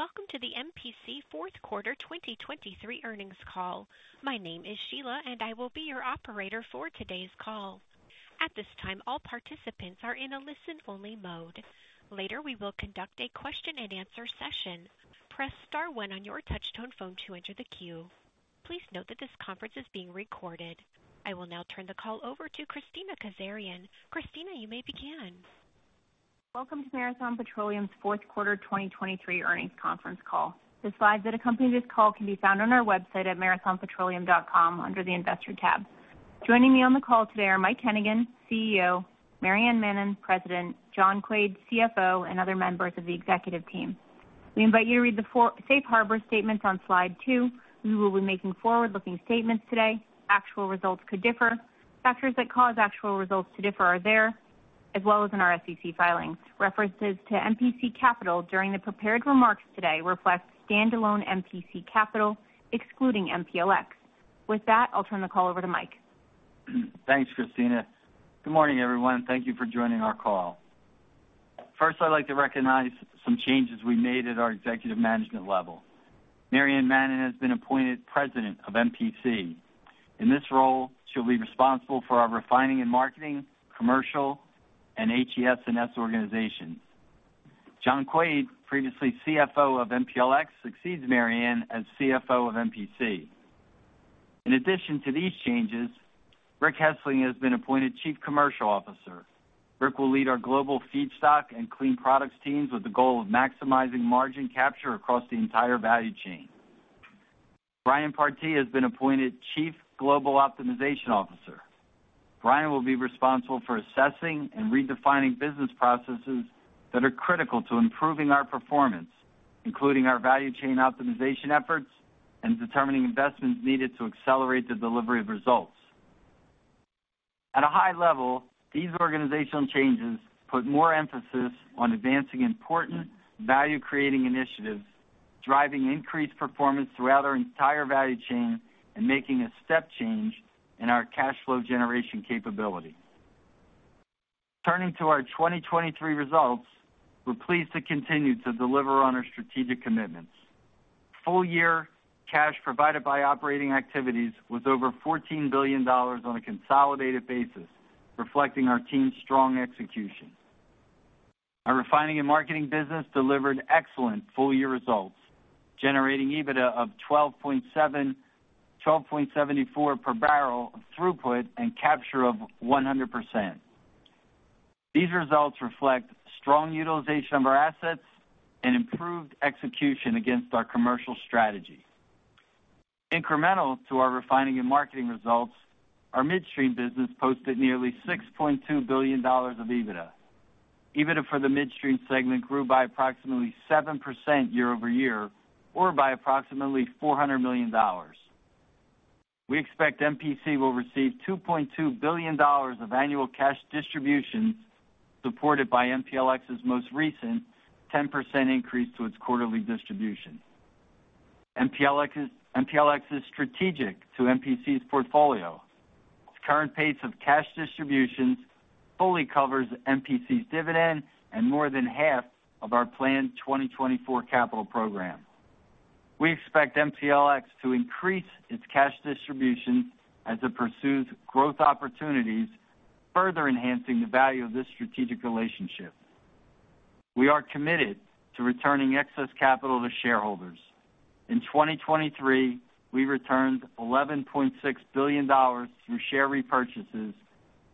Welcome to the MPC fourth quarter 2023 earnings call. My name is Sheila, and I will be your operator for today's call. At this time, all participants are in a listen-only mode. Later, we will conduct a question-and-answer session. Press star one on your touchtone phone to enter the queue. Please note that this conference is being recorded. I will now turn the call over to Kristina Kazarian. Kristina, you may begin. Welcome to Marathon Petroleum's fourth quarter 2023 earnings conference call. The slides that accompany this call can be found on our website at marathonpetroleum.com under the Investor tab. Joining me on the call today are Mike Hennigan, CEO, Maryann Mannen, President, John Quaid, CFO, and other members of the executive team. We invite you to read the Safe Harbor statements on slide two. We will be making forward-looking statements today. Actual results could differ. Factors that cause actual results to differ are there, as well as in our SEC filings. References to MPC Capital during the prepared remarks today reflect standalone MPC Capital, excluding MPLX. With that, I'll turn the call over to Mike. Thanks, Kristina. Good morning, everyone. Thank you for joining our call. First, I'd like to recognize some changes we made at our executive management level. Maryann Mannen has been appointed President of MPC. In this role, she'll be responsible for our refining and marketing, commercial, and HES&S organizations. John Quaid, previously CFO of MPLX, succeeds Maryann as CFO of MPC. In addition to these changes, Rick Hessling has been appointed Chief Commercial Officer. Rick will lead our global feedstock and clean products teams with the goal of maximizing margin capture across the entire value chain. Brian Partee has been appointed Chief Global Optimization Officer. Brian will be responsible for assessing and redefining business processes that are critical to improving our performance, including our value chain optimization efforts and determining investments needed to accelerate the delivery of results. At a high level, these organizational changes put more emphasis on advancing important value-creating initiatives, driving increased performance throughout our entire value chain, and making a step change in our cash flow generation capability. Turning to our 2023 results, we're pleased to continue to deliver on our strategic commitments. Full-year cash provided by operating activities was over $14 billion on a consolidated basis, reflecting our team's strong execution. Our refining and marketing business delivered excellent full-year results, generating EBITDA of $12.74 per barrel of throughput and capture of 100%. These results reflect strong utilization of our assets and improved execution against our commercial strategy. Incremental to our refining and marketing results, our midstream business posted nearly $6.2 billion of EBITDA. EBITDA for the midstream segment grew by approximately 7% year-over-year or by approximately $400 million. We expect MPC will receive $2.2 billion of annual cash distributions, supported by MPLX's most recent 10% increase to its quarterly distribution. MPLX is strategic to MPC's portfolio. Its current pace of cash distributions fully covers MPC's dividend and more than half of our planned 2024 capital program. We expect MPLX to increase its cash distribution as it pursues growth opportunities, further enhancing the value of this strategic relationship. We are committed to returning excess capital to shareholders. In 2023, we returned $11.6 billion through share repurchases,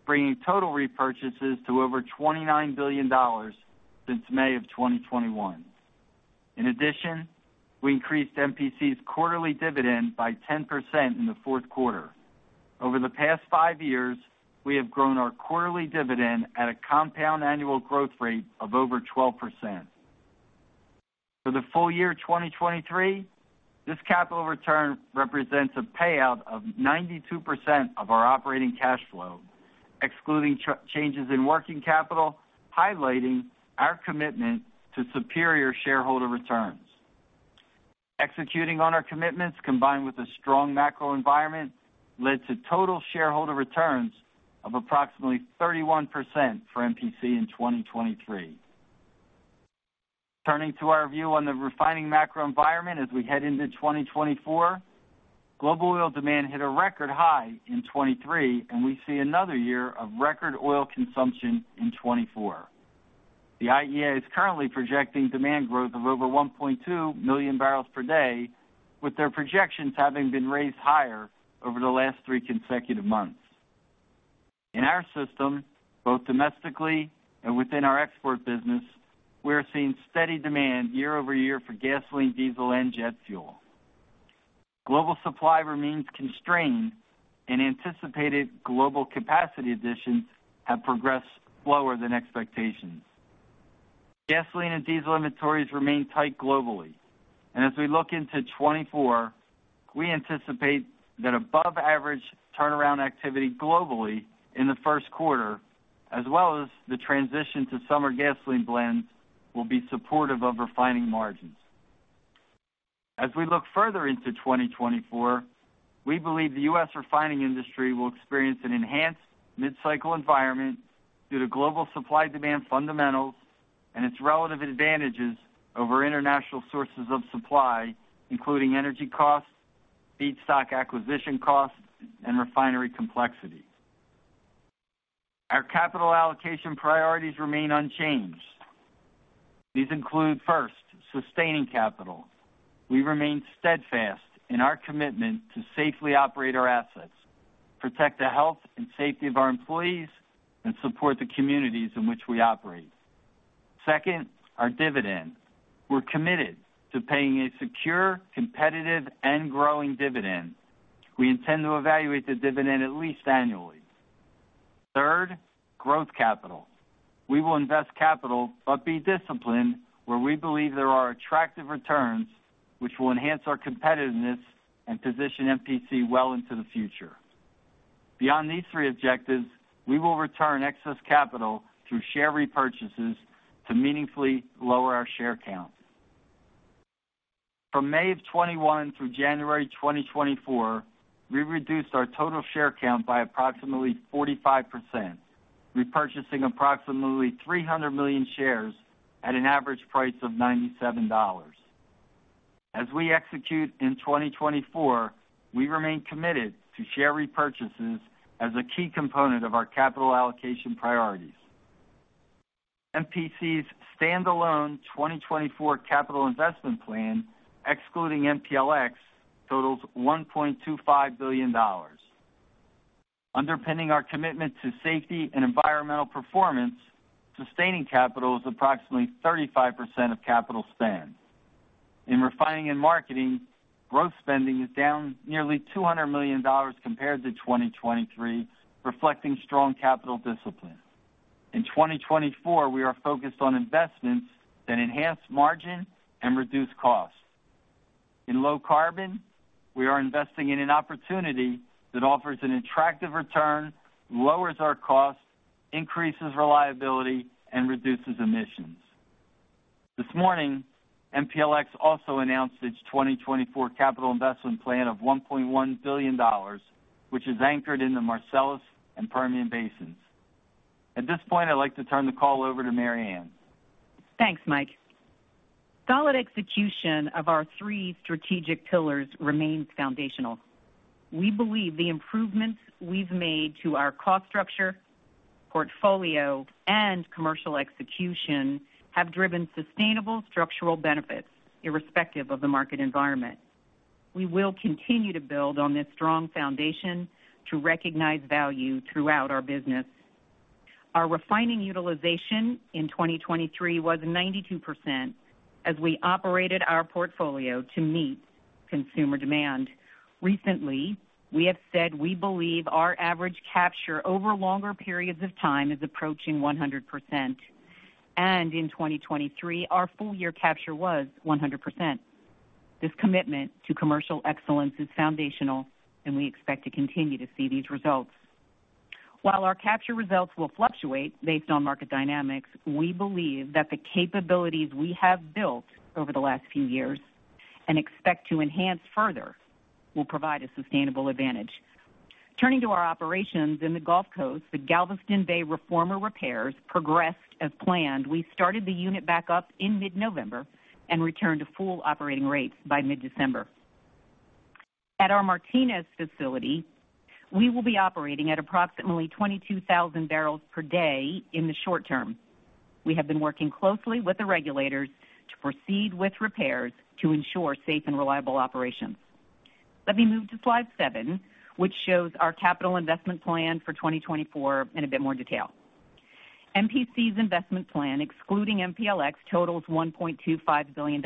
bringing total repurchases to over $29 billion since May of 2021. In addition, we increased MPC's quarterly dividend by 10% in the fourth quarter. Over the past five years, we have grown our quarterly dividend at a compound annual growth rate of over 12%. For the full year 2023, this capital return represents a payout of 92% of our operating cash flow, excluding changes in working capital, highlighting our commitment to superior shareholder returns. Executing on our commitments, combined with a strong macro environment, led to total shareholder returns of approximately 31% for MPC in 2023. Turning to our view on the refining macro environment as we head into 2024, global oil demand hit a record high in 2023, and we see another year of record oil consumption in 2024. The IEA is currently projecting demand growth of over 1.2 million barrels per day, with their projections having been raised higher over the last three consecutive months. In our system, both domestically and within our export business, we are seeing steady demand year over year for gasoline, diesel, and jet fuel. Global supply remains constrained, and anticipated global capacity additions have progressed slower than expectations. Gasoline and diesel inventories remain tight globally, and as we look into 2024, we anticipate that above-average turnaround activity globally in the first quarter, as well as the transition to summer gasoline blends, will be supportive of refining margins. As we look further into 2024, we believe the U.S. refining industry will experience an enhanced mid-cycle environment due to global supply demand fundamentals and its relative advantages over international sources of supply, including energy costs, feedstock acquisition costs, and refinery complexity. Our capital allocation priorities remain unchanged. These include, first, sustaining capital. We remain steadfast in our commitment to safely operate our assets, protect the health and safety of our employees, and support the communities in which we operate. Second, our dividend. We're committed to paying a secure, competitive and growing dividend. We intend to evaluate the dividend at least annually. Third, growth capital. We will invest capital, but be disciplined where we believe there are attractive returns, which will enhance our competitiveness and position MPC well into the future. Beyond these three objectives, we will return excess capital through share repurchases to meaningfully lower our share count. From May of 2021 through January 2024, we reduced our total share count by approximately 45%, repurchasing approximately 300 million shares at an average price of $97. As we execute in 2024, we remain committed to share repurchases as a key component of our capital allocation priorities. MPC's standalone 2024 capital investment plan, excluding MPLX, totals $1.25 billion. Underpinning our commitment to safety and environmental performance, sustaining capital is approximately 35% of capital spend. In refining and marketing, growth spending is down nearly $200 million compared to 2023, reflecting strong capital discipline. In 2024, we are focused on investments that enhance margin and reduce costs. In low carbon, we are investing in an opportunity that offers an attractive return, lowers our costs, increases reliability, and reduces emissions. This morning, MPLX also announced its 2024 capital investment plan of $1.1 billion, which is anchored in the Marcellus and Permian basins. At this point, I'd like to turn the call over to Maryann. Thanks, Mike. Solid execution of our three strategic pillars remains foundational. We believe the improvements we've made to our cost structure, portfolio, and commercial execution have driven sustainable structural benefits, irrespective of the market environment. We will continue to build on this strong foundation to recognize value throughout our business. Our refining utilization in 2023 was 92% as we operated our portfolio to meet consumer demand. Recently, we have said we believe our average capture over longer periods of time is approaching 100%, and in 2023, our full year capture was 100%. This commitment to commercial excellence is foundational, and we expect to continue to see these results. While our capture results will fluctuate based on market dynamics, we believe that the capabilities we have built over the last few years and expect to enhance further, will provide a sustainable advantage. Turning to our operations in the Gulf Coast, the Galveston Bay reformer repairs progressed as planned. We started the unit back up in mid-November and returned to full operating rates by mid-December. At our Martinez facility, we will be operating at approximately 22,000 barrels per day in the short term. We have been working closely with the regulators to proceed with repairs to ensure safe and reliable operations. Let me move to slide seven, which shows our capital investment plan for 2024 in a bit more detail. MPC's investment plan, excluding MPLX, totals $1.25 billion.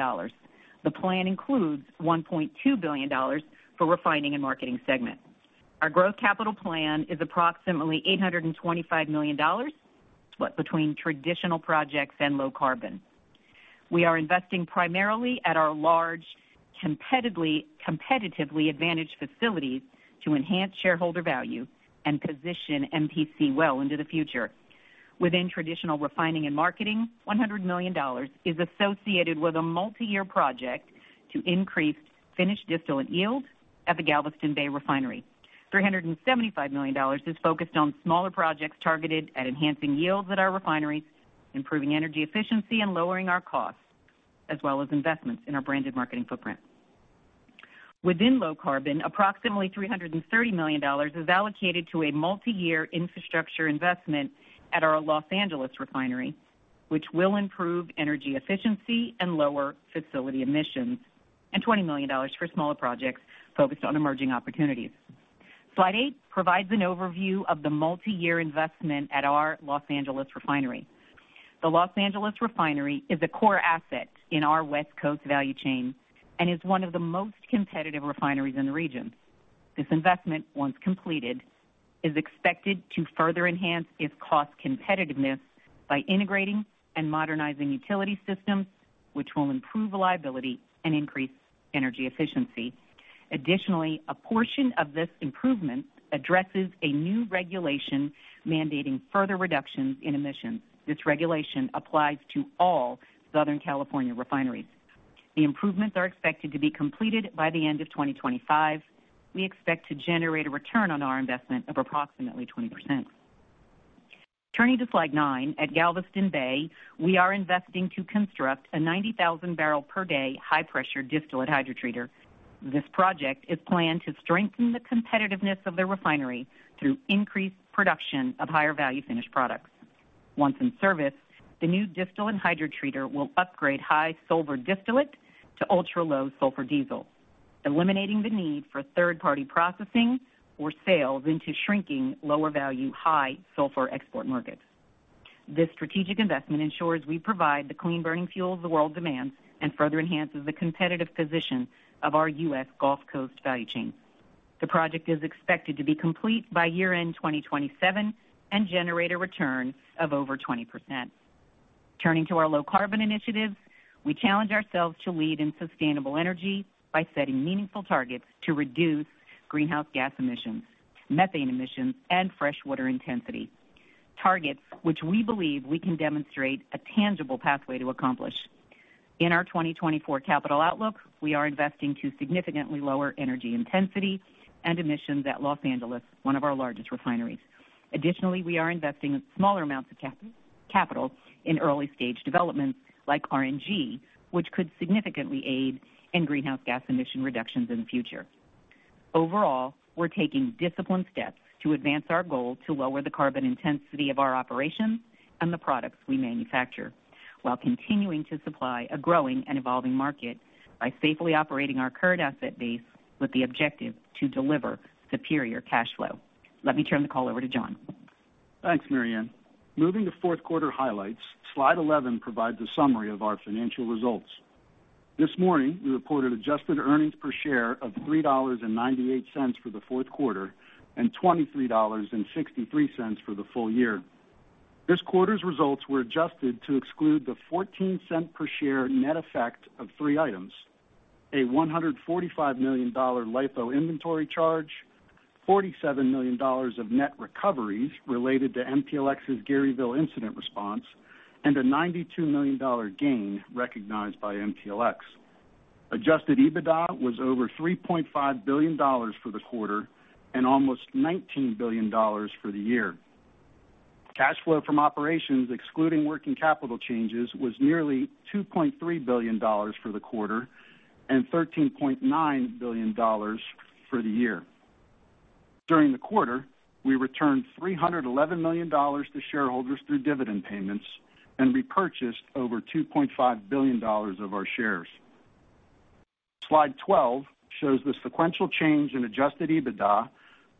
The plan includes $1.2 billion for refining and marketing segment. Our growth capital plan is approximately $825 million, but between traditional projects and low carbon. We are investing primarily at our large, competitively advantaged facilities to enhance shareholder value and position MPC well into the future. Within traditional refining and marketing, $100 million is associated with a multi-year project to increase finished distillate yield at the Galveston Bay Refinery. $375 million is focused on smaller projects targeted at enhancing yields at our refineries, improving energy efficiency, and lowering our costs, as well as investments in our branded marketing footprint. Within low carbon, approximately $330 million is allocated to a multi-year infrastructure investment at our Los Angeles Refinery, which will improve energy efficiency and lower facility emissions, and $20 million for smaller projects focused on emerging opportunities. Slide eight provides an overview of the multi-year investment at our Los Angeles Refinery. The Los Angeles refinery is a core asset in our West Coast value chain and is one of the most competitive refineries in the region. This investment, once completed, is expected to further enhance its cost competitiveness by integrating and modernizing utility systems, which will improve reliability and increase energy efficiency.... Additionally, a portion of this improvement addresses a new regulation mandating further reductions in emissions. This regulation applies to all Southern California refineries. The improvements are expected to be completed by the end of 2025. We expect to generate a return on our investment of approximately 20%. Turning to slide nine, at Galveston Bay, we are investing to construct a 90,000 barrel per day high-pressure distillate hydrotreater. This project is planned to strengthen the competitiveness of the refinery through increased production of higher value finished products. Once in service, the new distillate hydrotreater will upgrade high sulfur distillate to ultra-low sulfur diesel, eliminating the need for third-party processing or sales into shrinking lower value, high sulfur export markets. This strategic investment ensures we provide the clean burning fuels the world demands and further enhances the competitive position of our U.S. Gulf Coast value chain. The project is expected to be complete by year-end 2027 and generate a return of over 20%. Turning to our low carbon initiatives, we challenge ourselves to lead in sustainable energy by setting meaningful targets to reduce greenhouse gas emissions, methane emissions, and freshwater intensity. Targets which we believe we can demonstrate a tangible pathway to accomplish. In our 2024 capital outlook, we are investing to significantly lower energy intensity and emissions at Los Angeles, one of our largest refineries. Additionally, we are investing smaller amounts of capital in early-stage developments like RNG, which could significantly aid in greenhouse gas emission reductions in the future. Overall, we're taking disciplined steps to advance our goal to lower the carbon intensity of our operations and the products we manufacture, while continuing to supply a growing and evolving market by safely operating our current asset base with the objective to deliver superior cash flow. Let me turn the call over to John. Thanks, Maryann. Moving to fourth quarter highlights, slide 11 provides a summary of our financial results. This morning, we reported adjusted earnings per share of $3.98 for the fourth quarter and $23.63 for the full year. This quarter's results were adjusted to exclude the 14-cent per share net effect of three items: a $145 million LIFO inventory charge, $47 million of net recoveries related to MPLX's Garyville incident response, and a $92 million gain recognized by MPLX. Adjusted EBITDA was over $3.5 billion for the quarter and almost $19 billion for the year. Cash flow from operations, excluding working capital changes, was nearly $2.3 billion for the quarter and $13.9 billion for the year. During the quarter, we returned $311 million to shareholders through dividend payments and repurchased over $2.5 billion of our shares. Slide 12 shows the sequential change in adjusted EBITDA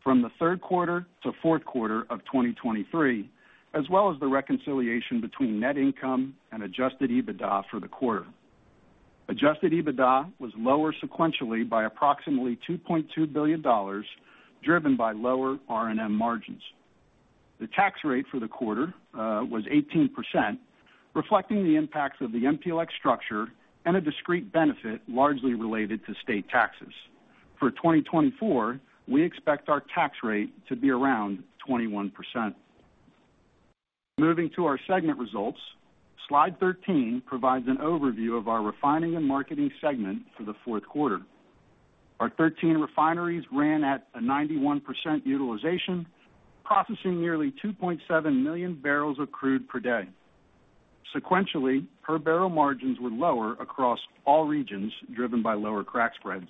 from the third quarter to fourth quarter of 2023, as well as the reconciliation between net income and adjusted EBITDA for the quarter. Adjusted EBITDA was lower sequentially by approximately $2.2 billion, driven by lower R&M margins. The tax rate for the quarter was 18%, reflecting the impacts of the MPLX structure and a discrete benefit largely related to state taxes. For 2024, we expect our tax rate to be around 21%. Moving to our segment results, Slide 13 provides an overview of our refining and marketing segment for the fourth quarter. Our 13 refineries ran at a 91% utilization, processing nearly 2.7 million barrels of crude per day. Sequentially, per barrel margins were lower across all regions, driven by lower crack spreads.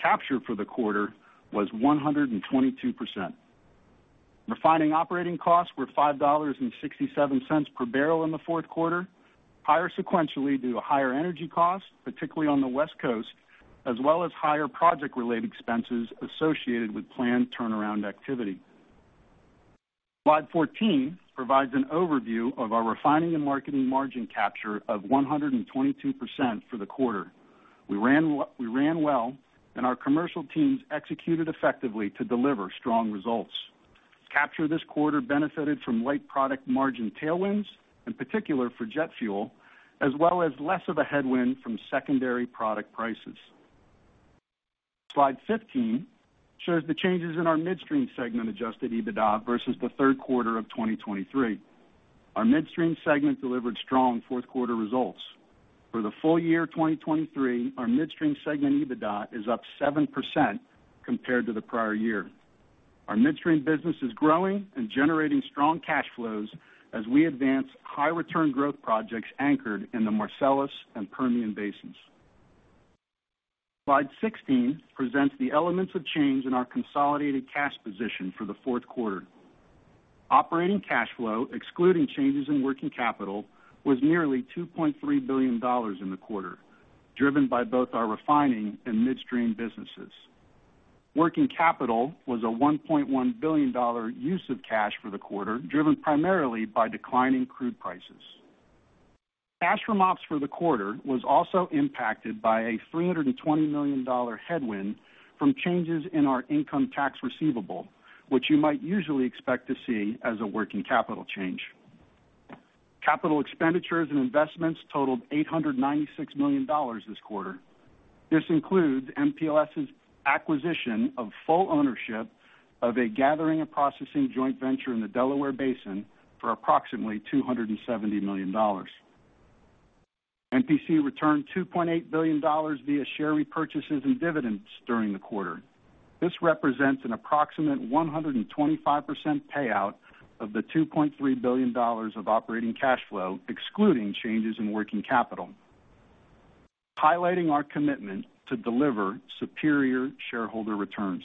Capture for the quarter was 122%. Refining operating costs were $5.67 per barrel in the fourth quarter, higher sequentially due to higher energy costs, particularly on the West Coast, as well as higher project-related expenses associated with planned turnaround activity. Slide 14 provides an overview of our refining and marketing margin capture of 122% for the quarter. We ran well, and our commercial teams executed effectively to deliver strong results. Capture this quarter benefited from light product margin tailwinds, in particular for jet fuel, as well as less of a headwind from secondary product prices. Slide 15 shows the changes in our midstream segment adjusted EBITDA versus the third quarter of 2023. Our midstream segment delivered strong fourth quarter results. For the full year 2023, our midstream segment EBITDA is up 7% compared to the prior year. Our midstream business is growing and generating strong cash flows as we advance high return growth projects anchored in the Marcellus and Permian basins. Slide 16 presents the elements of change in our consolidated cash position for the fourth quarter. Operating cash flow, excluding changes in working capital, was nearly $2.3 billion in the quarter, driven by both our refining and midstream businesses. Working capital was a $1.1 billion use of cash for the quarter, driven primarily by declining crude prices. Cash from ops for the quarter was also impacted by a $320 million headwind from changes in our income tax receivable, which you might usually expect to see as a working capital change. Capital expenditures and investments totaled $896 million this quarter. This includes MPLX's acquisition of full ownership of a gathering and processing joint venture in the Delaware Basin for approximately $270 million. MPC returned $2.8 billion via share repurchases and dividends during the quarter. This represents an approximate 125% payout of the $2.3 billion of operating cash flow, excluding changes in working capital, highlighting our commitment to deliver superior shareholder returns.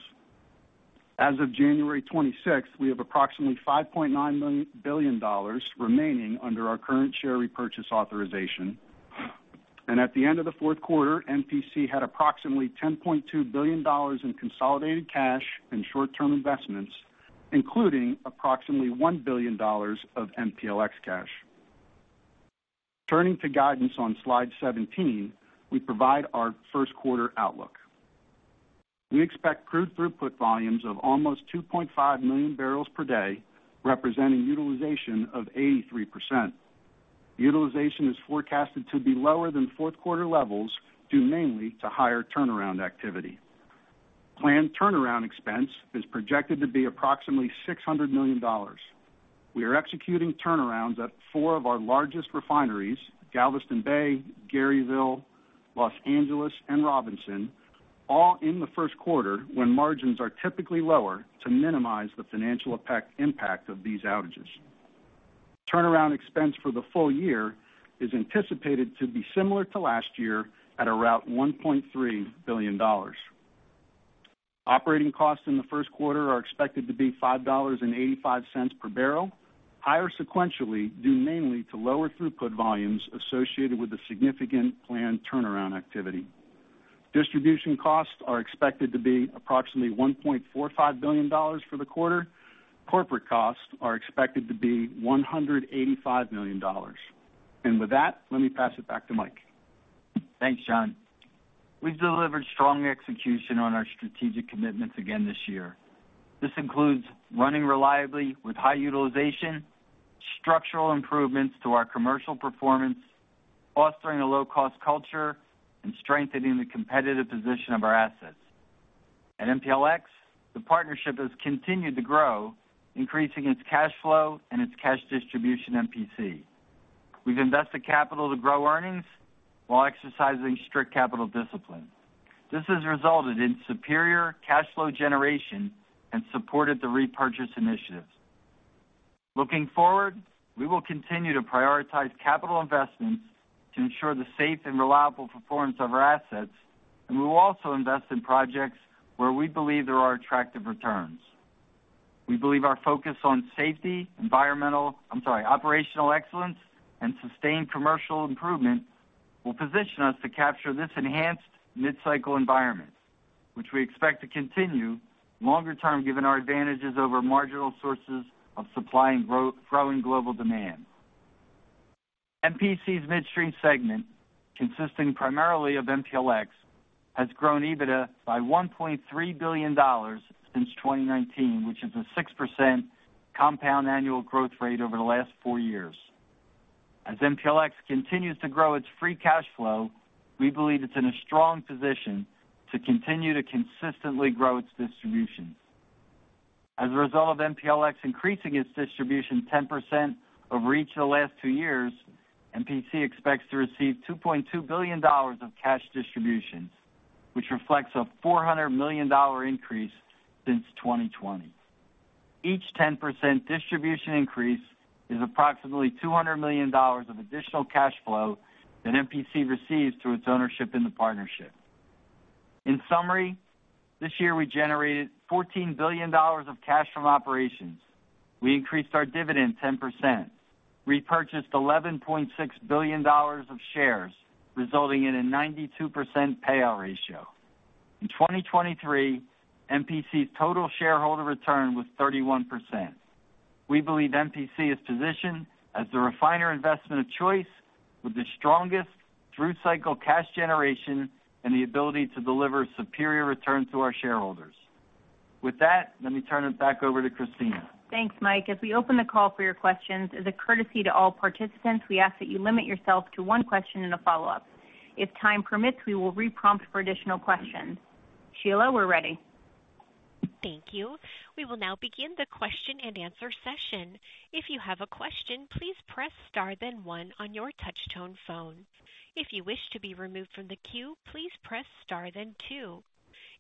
As of January 26th, we have approximately $5.9 billion remaining under our current share repurchase authorization, and at the end of the fourth quarter, MPC had approximately $10.2 billion in consolidated cash and short-term investments, including approximately $1 billion of MPLX cash. Turning to guidance on slide 17, we provide our first quarter outlook. We expect crude throughput volumes of almost 2.5 million barrels per day, representing utilization of 83%. Utilization is forecasted to be lower than fourth quarter levels, due mainly to higher turnaround activity. Planned turnaround expense is projected to be approximately $600 million. We are executing turnarounds at four of our largest refineries, Galveston Bay, Garyville, Los Angeles, and Robinson, all in the first quarter, when margins are typically lower, to minimize the financial impact of these outages. Turnaround expense for the full year is anticipated to be similar to last year at around $1.3 billion. Operating costs in the first quarter are expected to be $5.85 per barrel, higher sequentially, due mainly to lower throughput volumes associated with the significant planned turnaround activity. Distribution costs are expected to be approximately $1.45 billion for the quarter. Corporate costs are expected to be $185 million. With that, let me pass it back to Mike. Thanks, John. We've delivered strong execution on our strategic commitments again this year. This includes running reliably with high utilization, structural improvements to our commercial performance, fostering a low-cost culture, and strengthening the competitive position of our assets. At MPLX, the partnership has continued to grow, increasing its cash flow and its cash distribution MPC. We've invested capital to grow earnings while exercising strict capital discipline. This has resulted in superior cash flow generation and supported the repurchase initiatives. Looking forward, we will continue to prioritize capital investments to ensure the safe and reliable performance of our assets, and we will also invest in projects where we believe there are attractive returns. We believe our focus on safety, environmental, I'm sorry, operational excellence, and sustained commercial improvement will position us to capture this enhanced mid-cycle environment, which we expect to continue longer term, given our advantages over marginal sources of supply and growing global demand. MPC's midstream segment, consisting primarily of MPLX, has grown EBITDA by $1.3 billion since 2019, which is a 6% compound annual growth rate over the last four years. As MPLX continues to grow its free cash flow, we believe it's in a strong position to continue to consistently grow its distributions. As a result of MPLX increasing its distribution 10% over each of the last two years, MPC expects to receive $2.2 billion of cash distributions, which reflects a $400 million increase since 2020. Each 10% distribution increase is approximately $200 million of additional cash flow that MPC receives through its ownership in the partnership. In summary, this year we generated $14 billion of cash from operations. We increased our dividend 10%, repurchased $11.6 billion of shares, resulting in a 92% payout ratio. In 2023, MPC's total shareholder return was 31%. We believe MPC is positioned as the refiner investment of choice with the strongest through-cycle cash generation and the ability to deliver superior return to our shareholders. With that, let me turn it back over to Kristina. Thanks, Mike. As we open the call for your questions, as a courtesy to all participants, we ask that you limit yourself to one question and a follow-up. If time permits, we will re-prompt for additional questions. Sheila, we're ready. Thank you. We will now begin the question-and-answer session. If you have a question, please press star then one on your touchtone phone. If you wish to be removed from the queue, please press star, then two.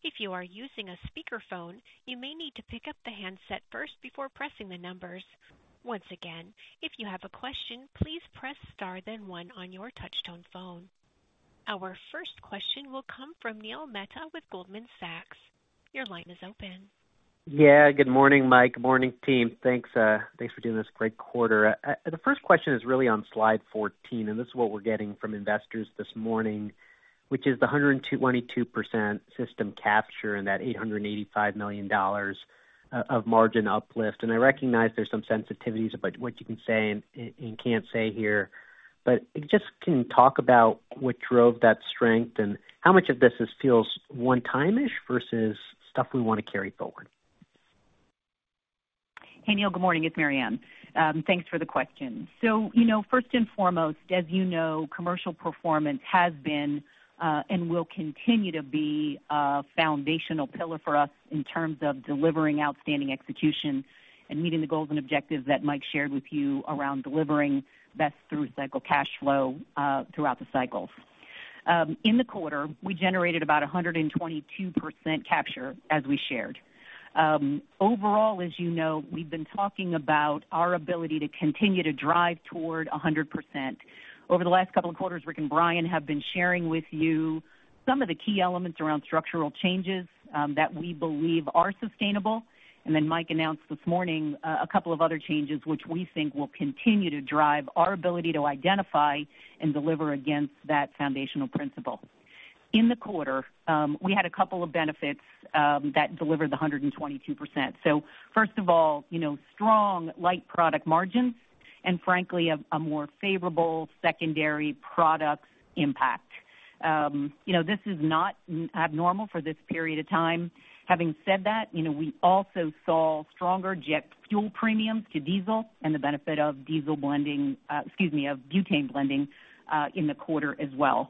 If you are using a speakerphone, you may need to pick up the handset first before pressing the numbers. Once again, if you have a question, please press star, then one on your touchtone phone. Our first question will come from Neil Mehta with Goldman Sachs. Your line is open. Yeah, good morning, Mike. Good morning, team. Thanks, thanks for doing this great quarter. The first question is really on slide 14, and this is what we're getting from investors this morning, which is the 122% system capture and that $885 million of margin uplift. And I recognize there's some sensitivities about what you can say and, and can't say here, but just can you talk about what drove that strength and how much of this is feels one-time-ish versus stuff we want to carry forward? Hey, Neil, good morning. It's Maryann. Thanks for the question. So, you know, first and foremost, as you know, commercial performance has been and will continue to be a foundational pillar for us in terms of delivering outstanding execution and meeting the goals and objectives that Mike shared with you around delivering best through-cycle cash flow throughout the cycles. In the quarter, we generated about 122% capture, as we shared. Overall, as you know, we've been talking about our ability to continue to drive toward 100%. Over the last couple of quarters, Rick and Brian have been sharing with you some of the key elements around structural changes that we believe are sustainable. Then Mike announced this morning a couple of other changes, which we think will continue to drive our ability to identify and deliver against that foundational principle. In the quarter, we had a couple of benefits that delivered the 122%. So first of all, you know, strong light product margins and frankly, a more favorable secondary products impact. You know, this is not abnormal for this period of time. Having said that, you know, we also saw stronger jet fuel premiums to diesel and the benefit of diesel blending, excuse me, of butane blending in the quarter as well.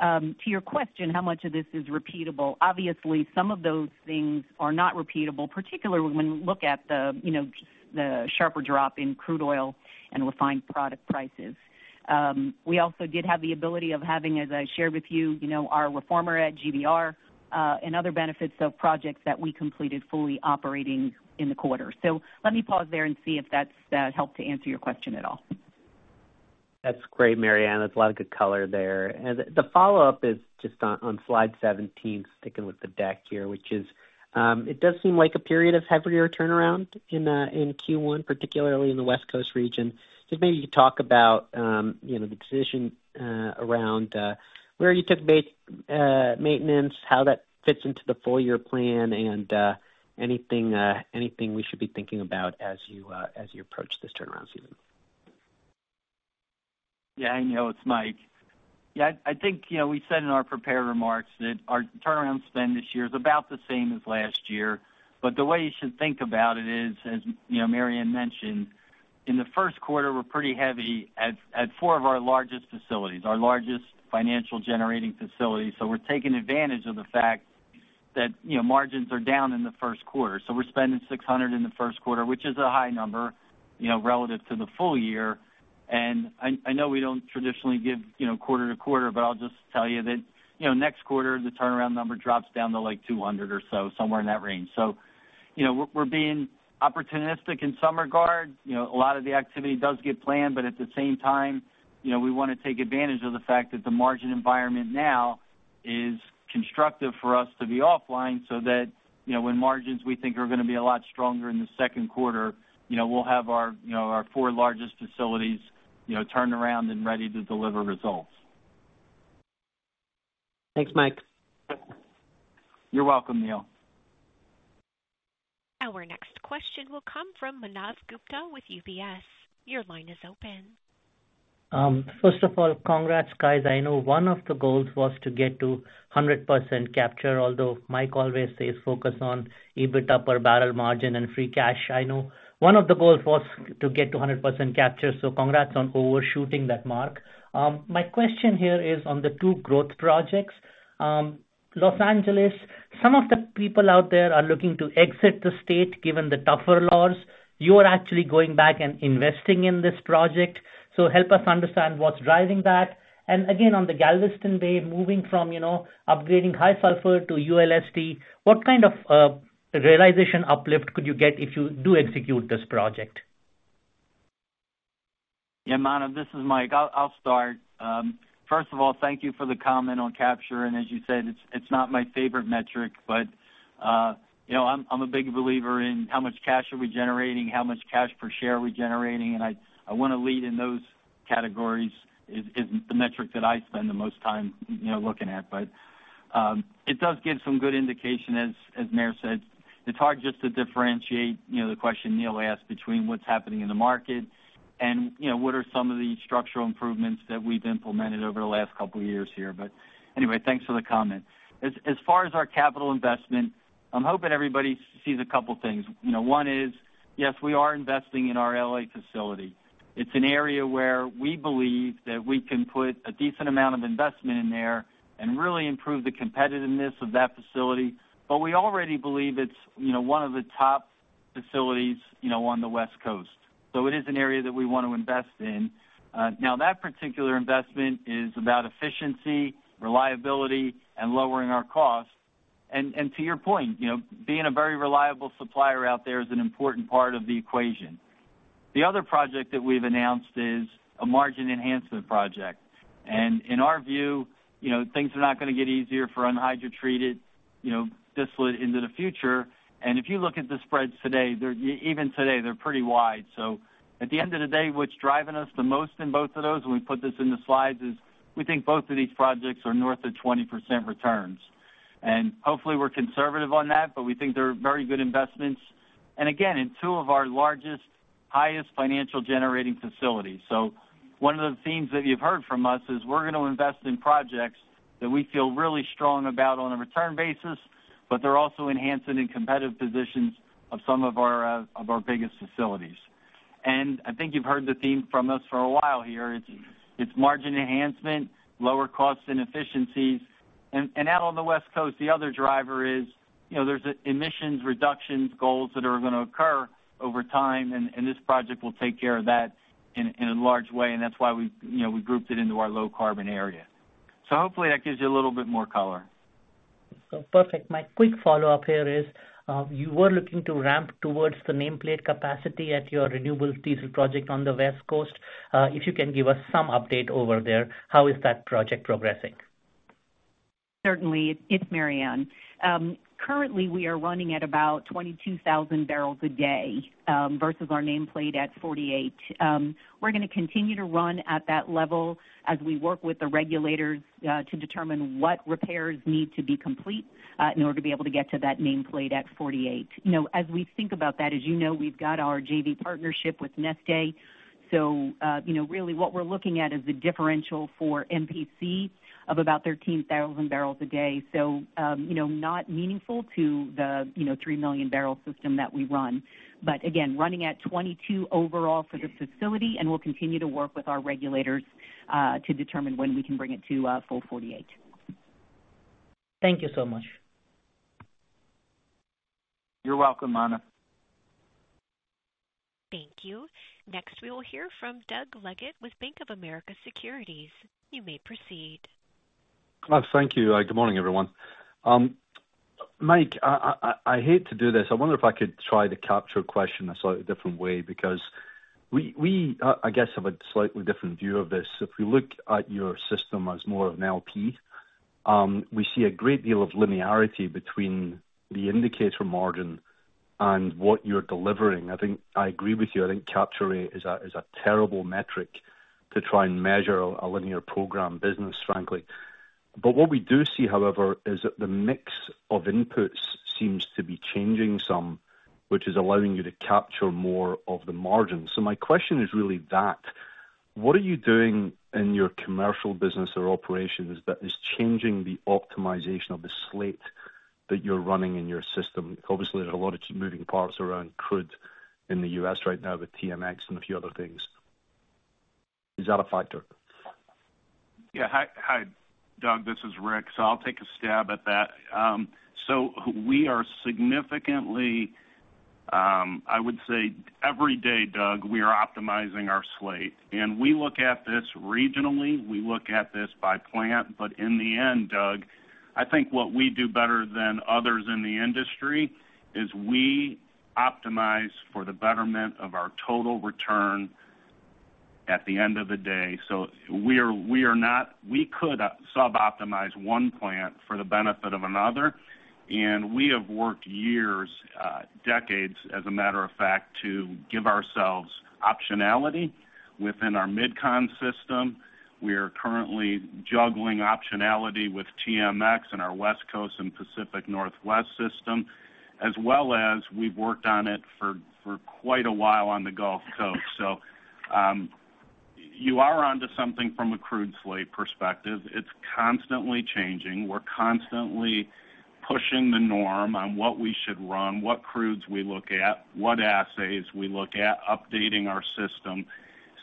To your question, how much of this is repeatable? Obviously, some of those things are not repeatable, particularly when we look at the, you know, the sharper drop in crude oil and refined product prices. We also did have the ability of having, as I shared with you, you know, our reformer at GVR, and other benefits of projects that we completed fully operating in the quarter. So let me pause there and see if that's helped to answer your question at all. That's great, Maryann. That's a lot of good color there. The follow-up is just on slide 17, sticking with the deck here, which is, it does seem like a period of heavier turnaround in Q1, particularly in the West Coast region. Just maybe you could talk about, you know, the decision around where you took maintenance, how that fits into the full year plan, and anything we should be thinking about as you approach this turnaround season. Yeah, Neil, it's Mike. Yeah, I think, you know, we said in our prepared remarks that our turnaround spend this year is about the same as last year. But the way you should think about it is, as you know, Maryann mentioned, in the first quarter, we're pretty heavy at four of our largest facilities, our largest financial generating facilities. So we're taking advantage of the fact that, you know, margins are down in the first quarter. So we're spending $600 in the first quarter, which is a high number, you know, relative to the full year. And I know we don't traditionally give, you know, quarter to quarter, but I'll just tell you that, you know, next quarter, the turnaround number drops down to, like, $200 or so, somewhere in that range. So, you know, we're being opportunistic in some regard. You know, a lot of the activity does get planned, but at the same time, you know, we wanna take advantage of the fact that the margin environment now is constructive for us to be offline, so that, you know, when margins, we think, are gonna be a lot stronger in the second quarter, you know, we'll have our, you know, our four largest facilities, you know, turned around and ready to deliver results. Thanks, Mike. You're welcome, Neil. Our next question will come from Manav Gupta with UBS. Your line is open. First of all, congrats, guys. I know one of the goals was to get to 100% capture, although Mike always says, focus on EBITDA per barrel margin and free cash. I know one of the goals was to get to a 100% capture, so congrats on overshooting that mark. My question here is on the two growth projects. Los Angeles, some of the people out there are looking to exit the state, given the tougher laws. You are actually going back and investing in this project. So help us understand what's driving that. And again, on the Galveston Bay, moving from, you know, upgrading high sulfur to ULSD, what kind of realization uplift could you get if you do execute this project? Yeah, Manav, this is Mike. I'll, I'll start. First of all, thank you for the comment on capture, and as you said, it's, it's not my favorite metric, but, you know, I'm, I'm a big believer in how much cash are we generating, how much cash per share are we generating, and I, I want to lead in those categories, is, is the metric that I spend the most time, you know, looking at. But, it does give some good indication, as, as Maryann said, it's hard just to differentiate, you know, the question Neil asked between what's happening in the market and, you know, what are some of the structural improvements that we've implemented over the last couple of years here. But anyway, thanks for the comment. As, as far as our capital investment, I'm hoping everybody sees a couple things. You know, one is, yes, we are investing in our LA facility. It's an area where we believe that we can put a decent amount of investment in there and really improve the competitiveness of that facility, but we already believe it's, you know, one of the top facilities, you know, on the West Coast. So it is an area that we want to invest in. Now, that particular investment is about efficiency, reliability, and lowering our costs. And, and to your point, you know, being a very reliable supplier out there is an important part of the equation. The other project that we've announced is a margin enhancement project. And in our view, you know, things are not gonna get easier for unhydrotreated, you know, distillate into the future. And if you look at the spreads today, they're, even today, pretty wide. At the end of the day, what's driving us the most in both of those, and we put this in the slides, is we think both of these projects are north of 20% returns. Hopefully, we're conservative on that, but we think they're very good investments. Again, in two of our largest...... highest financial generating facility. So one of the themes that you've heard from us is we're going to invest in projects that we feel really strong about on a return basis, but they're also enhancing in competitive positions of some of our, of our biggest facilities. And I think you've heard the theme from us for a while here. It's margin enhancement, lower costs and efficiencies. And out on the West Coast, the other driver is, you know, there's emissions reductions goals that are going to occur over time, and this project will take care of that in a large way, and that's why we, you know, we grouped it into our low carbon area. So hopefully that gives you a little bit more color. So perfect. My quick follow-up here is, you were looking to ramp towards the nameplate capacity at your renewable diesel project on the West Coast. If you can give us some update over there, how is that project progressing? Certainly. It's Maryann. Currently, we are running at about 22,000 barrels a day versus our nameplate at 48. We're going to continue to run at that level as we work with the regulators to determine what repairs need to be complete in order to be able to get to that nameplate at 48. You know, as we think about that, as you know, we've got our JV partnership with Neste. So, you know, really what we're looking at is the differential for MPC of about 13,000 barrels a day. So, you know, not meaningful to the, you know, 3 million barrel system that we run. But again, running at 22 overall for the facility, and we'll continue to work with our regulators to determine when we can bring it to full 48. Thank you so much. You're welcome, Anna. Thank you. Next, we will hear from Doug Leggate, with Bank of America Securities. You may proceed. Thank you. Good morning, everyone. Mike, I hate to do this. I wonder if I could try to capture a question a slightly different way, because we, I guess, have a slightly different view of this. If we look at your system as more of an LP, we see a great deal of linearity between the indicator margin and what you're delivering. I think I agree with you. I think capture rate is a terrible metric to try and measure a linear program business, frankly. But what we do see, however, is that the mix of inputs seems to be changing some, which is allowing you to capture more of the margin. My question is really that: What are you doing in your commercial business or operations that is changing the optimization of the slate that you're running in your system? Obviously, there are a lot of moving parts around crude in the U.S. right now with TMX and a few other things. Is that a factor? Yeah. Hi, hi, Doug, this is Rick, so I'll take a stab at that. So we are significantly, I would say every day, Doug, we are optimizing our slate, and we look at this regionally, we look at this by plant, but in the end, Doug, I think what we do better than others in the industry is we optimize for the betterment of our total return at the end of the day. So we are, we are not—we could suboptimize one plant for the benefit of another, and we have worked years, decades, as a matter of fact, to give ourselves optionality within our MidCon system. We are currently juggling optionality with TMX and our West Coast and Pacific Northwest system, as well as we've worked on it for quite a while on the Gulf Coast. So, you are onto something from a crude slate perspective. It's constantly changing. We're constantly pushing the norm on what we should run, what crudes we look at, what assays we look at, updating our system.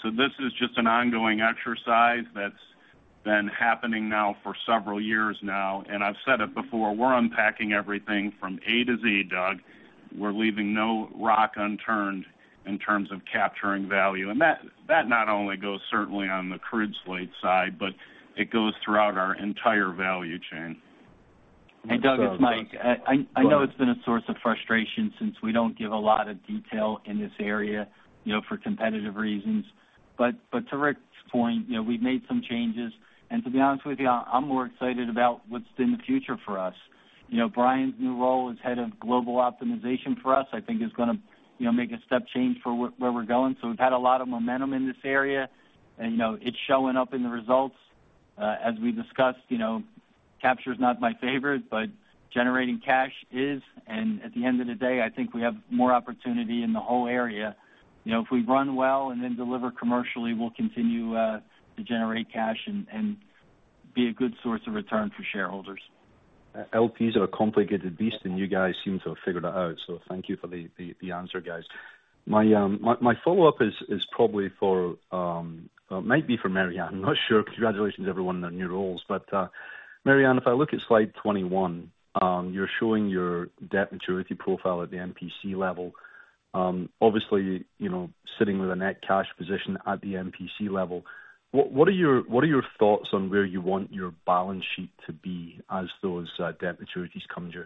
So this is just an ongoing exercise that's been happening now for several years now, and I've said it before, we're unpacking everything from A to Z, Doug. We're leaving no rock unturned in terms of capturing value. And that, that not only goes certainly on the crude slate side, but it goes throughout our entire value chain. And Doug, it's Mike. I know it's been a source of frustration since we don't give a lot of detail in this area, you know, for competitive reasons. But to Rick's point, you know, we've made some changes, and to be honest with you, I'm more excited about what's in the future for us. You know, Brian's new role as head of global optimization for us, I think is gonna, you know, make a step change for where we're going. So we've had a lot of momentum in this area, and, you know, it's showing up in the results. As we discussed, you know, capture is not my favorite, but generating cash is, and at the end of the day, I think we have more opportunity in the whole area. You know, if we run well and then deliver commercially, we'll continue to generate cash and be a good source of return for shareholders. LPs are a complicated beast, and you guys seem to have figured it out, so thank you for the answer, guys. My follow-up is probably for Maryann. I'm not sure. Congratulations, everyone, on their new roles. But, Maryann, if I look at slide 21, you're showing your debt maturity profile at the MPC level. Obviously, you know, sitting with a net cash position at the MPC level, what are your thoughts on where you want your balance sheet to be as those debt maturities come due?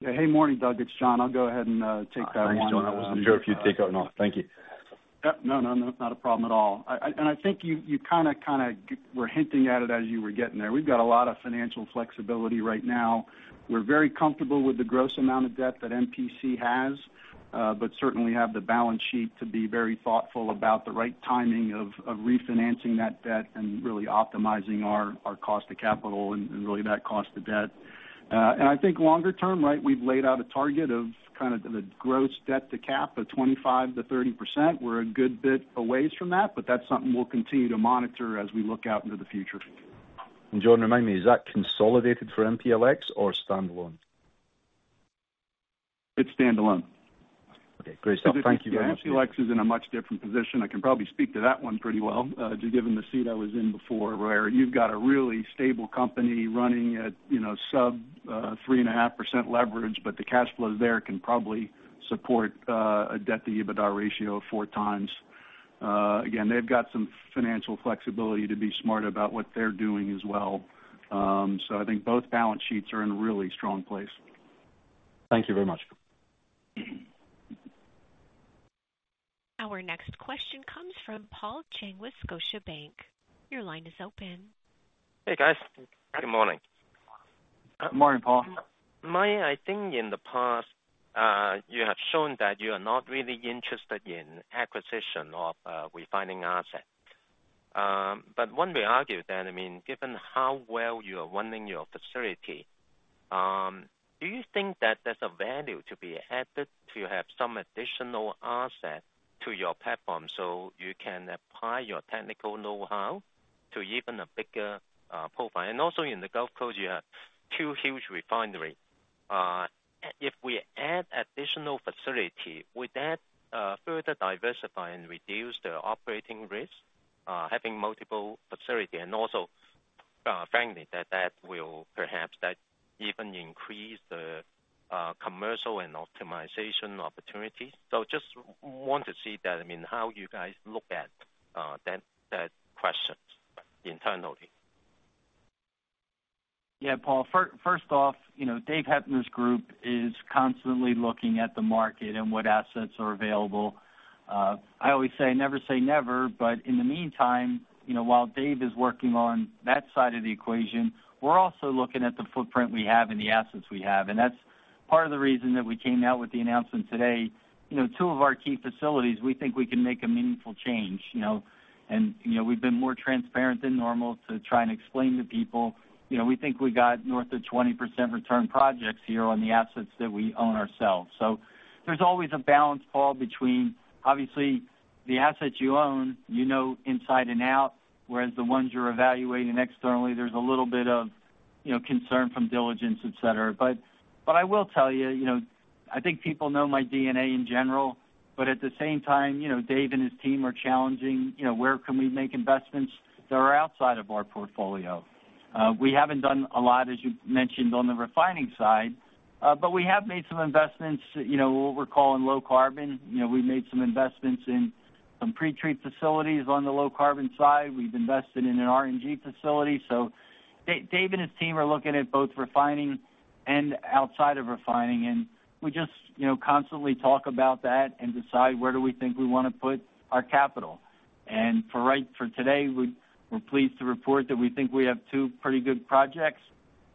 Yeah. Hey, morning, Doug. It's John. I'll go ahead and take that one. Thanks, John. I wasn't sure if you'd take it or not. Thank you. Yep. No, no, no, not a problem at all. I and I think you kinda were hinting at it as you were getting there. We've got a lot of financial flexibility right now. We're very comfortable with the gross amount of debt that MPC has, but certainly have the balance sheet to be very thoughtful about the right timing of refinancing that debt and really optimizing our cost to capital and really that cost of debt. And I think longer term, right, we've laid out a target of kind of the gross debt to cap of 25%-30%. We're a good bit a ways from that, but that's something we'll continue to monitor as we look out into the future. John, remind me, is that consolidated for MPLX or standalone?... It's standalone. Okay, great. So thank you very much. Lex is in a much different position. I can probably speak to that one pretty well, given the seat I was in before, where you've got a really stable company running at, you know, sub 3.5% leverage, but the cash flow there can probably support a debt-to-EBITDA ratio of 4x. Again, they've got some financial flexibility to be smart about what they're doing as well. So I think both balance sheets are in a really strong place. Thank you very much. Our next question comes from Paul Cheng with Scotiabank. Your line is open. Hey, guys. Good morning. Morning, Paul. Mike, I think in the past, you have shown that you are not really interested in acquisition of refining assets. But one may argue then, I mean, given how well you are running your facility, do you think that there's a value to be added to have some additional asset to your platform, so you can apply your technical know-how to even a bigger profile? And also in the Gulf Coast, you have two huge refineries. If we add additional facility, would that further diversify and reduce the operating risk having multiple facilities? And also, frankly, that that will perhaps that even increase the commercial and optimization opportunities. So just want to see that, I mean, how you guys look at that that questions internally. Yeah, Paul, first off, you know, Dave Heppner's group is constantly looking at the market and what assets are available. I always say, never say never, but in the meantime, you know, while Dave is working on that side of the equation, we're also looking at the footprint we have and the assets we have. And that's part of the reason that we came out with the announcement today. You know, two of our key facilities, we think we can make a meaningful change, you know? And, you know, we've been more transparent than normal to try and explain to people, you know, we think we got north of 20% return projects here on the assets that we own ourselves. So there's always a balance, Paul, between obviously the assets you own, you know inside and out, whereas the ones you're evaluating externally, there's a little bit of, you know, concern from diligence, et cetera. But I will tell you, you know, I think people know my DNA in general, but at the same time, you know, Dave and his team are challenging, you know, where can we make investments that are outside of our portfolio? We haven't done a lot, as you mentioned, on the refining side, but we have made some investments, you know, what we're calling low carbon. You know, we've made some investments in some pre-treat facilities on the low carbon side. We've invested in an RNG facility. So Dave and his team are looking at both refining and outside of refining, and we just, you know, constantly talk about that and decide where do we think we want to put our capital. And for today, we're pleased to report that we think we have two pretty good projects.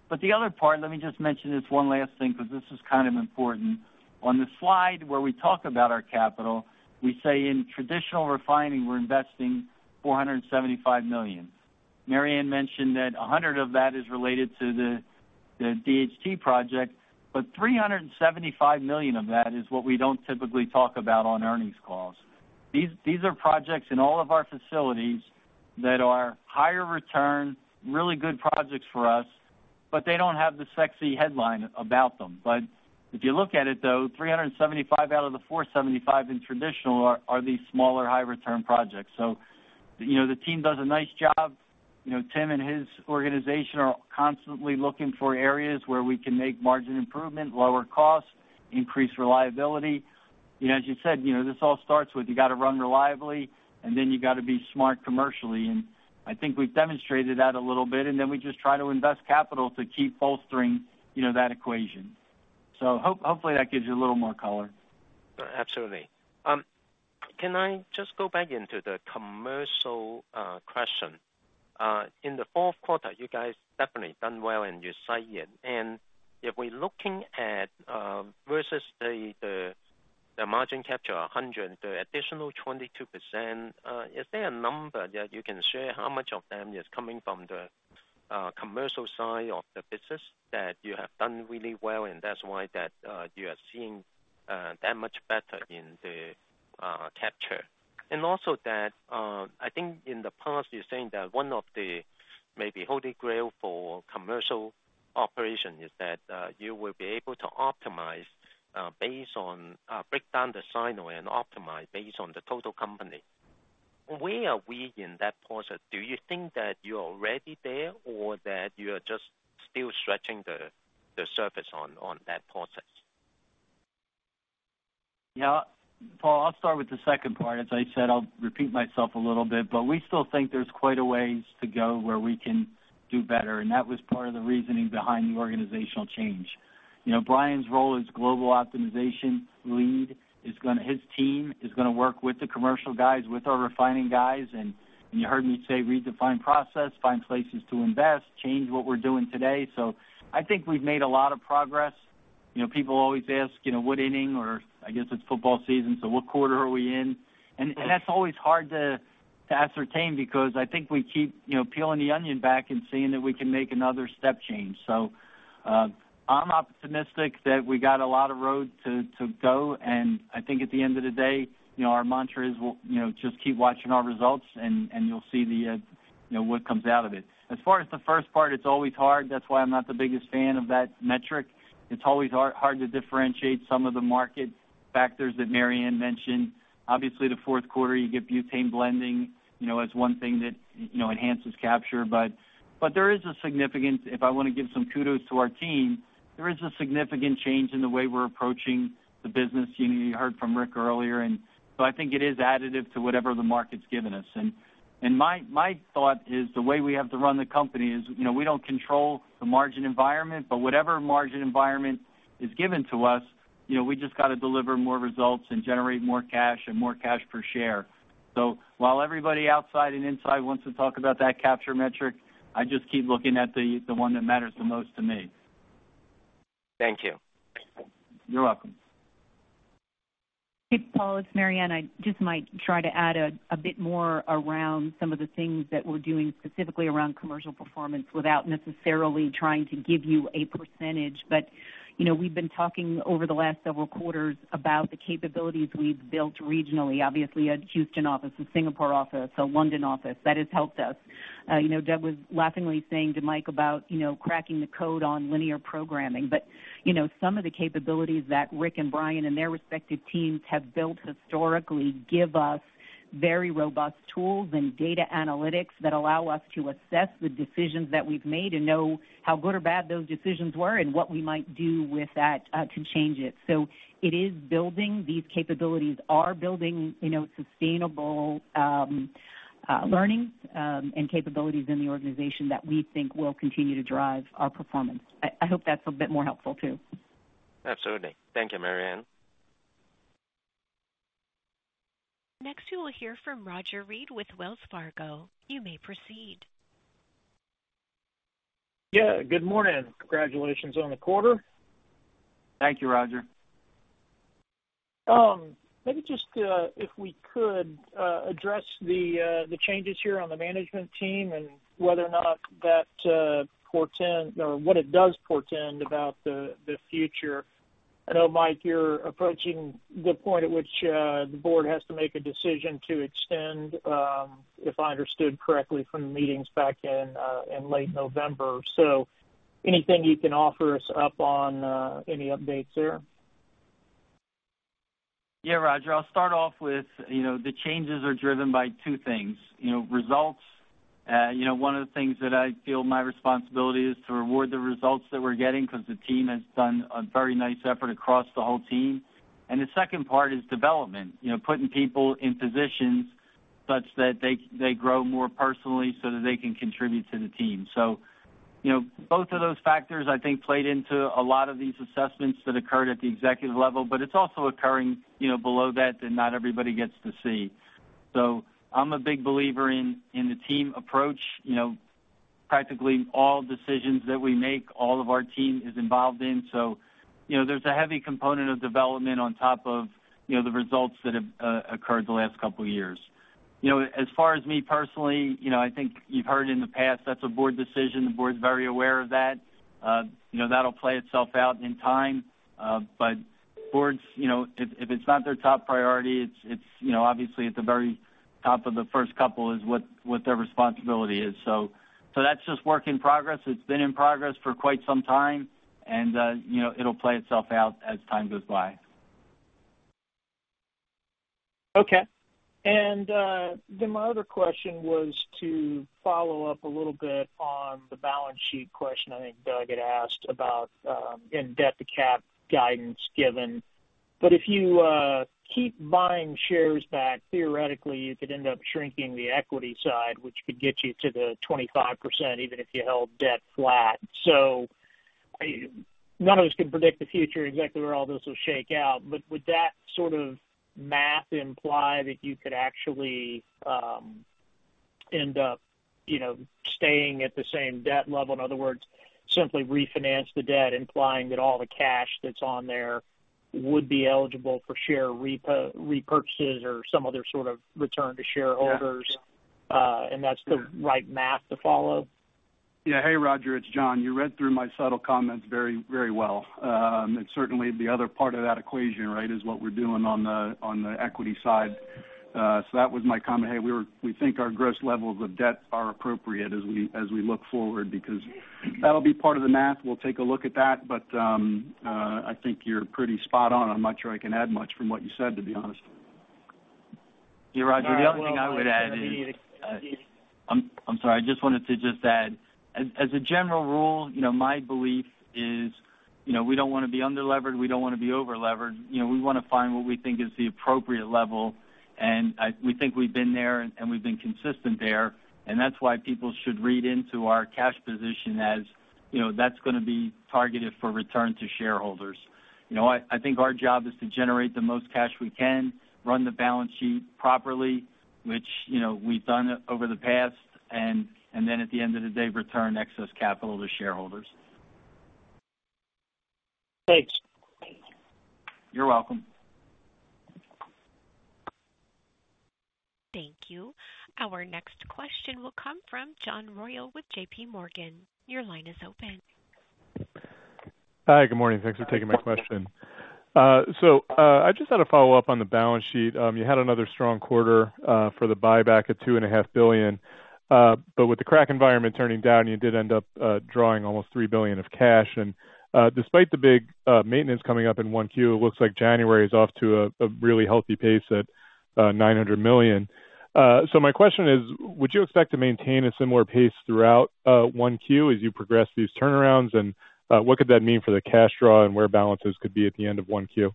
But the other part, let me just mention this one last thing, because this is kind of important. On the slide where we talk about our capital, we say in traditional refining, we're investing $475 million. Maryann mentioned that 100 of that is related to the DHT project, but $375 million of that is what we don't typically talk about on earnings calls. These are projects in all of our facilities that are higher return, really good projects for us, but they don't have the sexy headline about them. But if you look at it, though, 375 out of the 475 in traditional are these smaller, high return projects. So you know, the team does a nice job. You know, Tim and his organization are constantly looking for areas where we can make margin improvement, lower costs, increase reliability. You know, as you said, you know, this all starts with you got to run reliably, and then you got to be smart commercially. And I think we've demonstrated that a little bit, and then we just try to invest capital to keep bolstering, you know, that equation. So hopefully, that gives you a little more color. Absolutely. Can I just go back into the commercial question? In the fourth quarter, you guys definitely done well, and you said it. And if we're looking at versus the margin capture 100, the additional 22%, is there a number that you can share how much of them is coming from the commercial side of the business that you have done really well, and that's why that you are seeing that much better in the capture? And also that, I think in the past, you're saying that one of the maybe holy grail for commercial operation is that you will be able to optimize based on break down the silo and optimize based on the total company. Where are we in that process? Do you think that you're already there or that you are just still stretching the surface on that process? Yeah. Paul, I'll start with the second part. As I said, I'll repeat myself a little bit, but we still think there's quite a ways to go where we can do better, and that was part of the reasoning behind the organizational change. You know, Brian's role as global optimization lead is gonna, his team is gonna work with the commercial guys, with our refining guys, and you heard me say, redefine process, find places to invest, change what we're doing today. So I think we've made a lot of progress. You know, people always ask, you know, what inning? Or I guess it's football season, so what quarter are we in? And that's always hard to ascertain because I think we keep, you know, peeling the onion back and seeing that we can make another step change. So, I'm optimistic that we got a lot of road to go, and I think at the end of the day, you know, our mantra is, we'll, you know, just keep watching our results and you'll see the, you know, what comes out of it. As far as the first part, it's always hard. That's why I'm not the biggest fan of that metric. It's always hard to differentiate some of the market factors that Maryann mentioned. Obviously, the fourth quarter, you get butane blending, you know, as one thing that, you know, enhances capture. But there is a significance. If I want to give some kudos to our team, there is a significant change in the way we're approaching the business. You know, you heard from Rick earlier, and so I think it is additive to whatever the market's given us. And my thought is the way we have to run the company is, you know, we don't control the margin environment, but whatever margin environment is given to us, you know, we just got to deliver more results and generate more cash and more cash per share. So while everybody outside and inside wants to talk about that capture metric, I just keep looking at the one that matters the most to me. Thank you. You're welcome. Hey, Paul, it's Maryann. I just might try to add a bit more around some of the things that we're doing specifically around commercial performance, without necessarily trying to give you a percentage. But, you know, we've been talking over the last several quarters about the capabilities we've built regionally, obviously, at Houston office, and Singapore office, our London office. That has helped us. You know, Doug was laughingly saying to Mike about, you know, cracking the code on linear programming. But, you know, some of the capabilities that Rick and Brian and their respective teams have built historically, give us very robust tools and data analytics that allow us to assess the decisions that we've made and know how good or bad those decisions were and what we might do with that to change it. So it is building, these capabilities are building, you know, sustainable learnings and capabilities in the organization that we think will continue to drive our performance. I hope that's a bit more helpful, too. Absolutely. Thank you, Maryann. Next, you will hear from Roger Read with Wells Fargo. You may proceed. Yeah, good morning. Congratulations on the quarter. Thank you, Roger. Maybe just, if we could address the changes here on the management team and whether or not that portend or what it does portend about the future. I know, Mike, you're approaching the point at which the board has to make a decision to extend, if I understood correctly from the meetings back in late November. So anything you can offer us up on any updates there? Yeah, Roger, I'll start off with, you know, the changes are driven by two things. You know, results, one of the things that I feel my responsibility is to reward the results that we're getting because the team has done a very nice effort across the whole team. The second part is development. You know, putting people in positions such that they, they grow more personally so that they can contribute to the team. So, you know, both of those factors, I think, played into a lot of these assessments that occurred at the executive level, but it's also occurring, you know, below that, and not everybody gets to see. I'm a big believer in the team approach. You know, practically all decisions that we make, all of our team is involved in. So, you know, there's a heavy component of development on top of, you know, the results that have occurred the last couple of years. You know, as far as me personally, you know, I think you've heard in the past, that's a board decision. The board is very aware of that. You know, that'll play itself out in time. But boards, you know, if it's not their top priority, it's you know, obviously, at the very top of the first couple is what their responsibility is. So that's just work in progress. It's been in progress for quite some time, and you know, it'll play itself out as time goes by. Okay. And, then my other question was to follow up a little bit on the balance sheet question I think Doug had asked about, in debt to cap guidance given. But if you keep buying shares back, theoretically, you could end up shrinking the equity side, which could get you to the 25%, even if you held debt flat. So none of us can predict the future, exactly where all this will shake out, but would that sort of math imply that you could actually end up, you know, staying at the same debt level? In other words, simply refinance the debt, implying that all the cash that's on there would be eligible for share repurchases or some other sort of return to shareholders, and that's the right math to follow? Yeah. Hey, Roger, it's John. You read through my subtle comments very, very well. And certainly, the other part of that equation, right, is what we're doing on the, on the equity side. So that was my comment. Hey, we think our gross levels of debt are appropriate as we look forward, because that'll be part of the math. We'll take a look at that, but, I think you're pretty spot on. I'm not sure I can add much from what you said, to be honest. Yeah, Roger, the other thing I would add is. I'm sorry. I just wanted to just add. As a general rule, you know, my belief is, you know, we don't want to be under-levered, we don't want to be over-levered. You know, we want to find what we think is the appropriate level, and we think we've been there, and we've been consistent there, and that's why people should read into our cash position. As you know, that's gonna be targeted for return to shareholders. You know, I think our job is to generate the most cash we can, run the balance sheet properly, which, you know, we've done over the past, and then at the end of the day, return excess capital to shareholders. Thanks. You're welcome. Thank you. Our next question will come from John Royall with J.P. Morgan. Your line is open. Hi, good morning. Thanks for taking my question. So, I just had a follow-up on the balance sheet. You had another strong quarter for the buyback of $2.5 billion. But with the crack environment turning down, you did end up drawing almost $3 billion of cash. And, despite the big maintenance coming up in 1Q, it looks like January is off to a really healthy pace at $900 million. So my question is: Would you expect to maintain a similar pace throughout 1Q as you progress these turnarounds? And, what could that mean for the cash draw and where balances could be at the end of 1Q?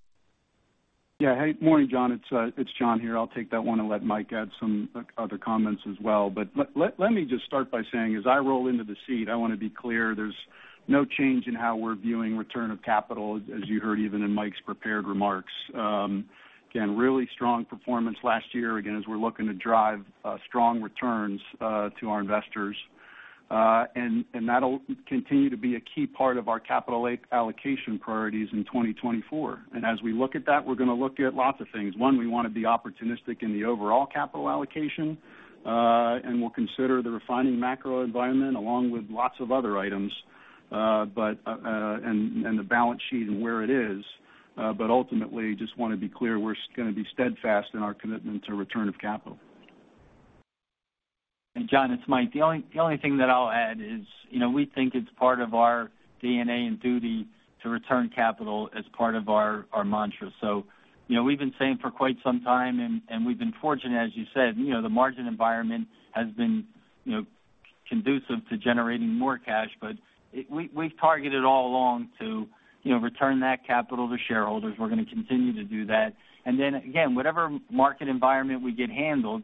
Yeah. Hey, morning, John. It's John here. I'll take that one and let Mike add some other comments as well. But let me just start by saying, as I roll into the seat, I wanna be clear, there's no change in how we're viewing return of capital, as you heard, even in Mike's prepared remarks. Again, really strong performance last year, again, as we're looking to drive strong returns to our investors. And that'll continue to be a key part of our capital allocation priorities in 2024. And as we look at that, we're gonna look at lots of things. One, we wanna be opportunistic in the overall capital allocation, and we'll consider the refining macro environment, along with lots of other items, but... The balance sheet and where it is, but ultimately, just wanna be clear, we're gonna be steadfast in our commitment to return of capital. And John, it's Mike. The only, the only thing that I'll add is, you know, we think it's part of our DNA and duty to return capital as part of our, our mantra. So you know, we've been saying for quite some time, and, and we've been fortunate, as you said, you know, the margin environment has been, you know, conducive to generating more cash, but we, we've targeted all along to, you know, return that capital to shareholders. We're gonna continue to do that. And then, again, whatever market environment we get handled,